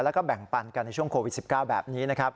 แล้วก็แบ่งปันกันในช่วงโควิด๑๙แบบนี้นะครับ